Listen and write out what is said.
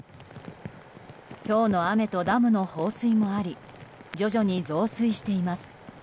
今日の雨とダムの放水もあり徐々に増水しています。